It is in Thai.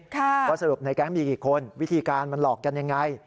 ว่าสรุปในแก๊งมีกี่คนวิธีการมันหลอกกันยังไง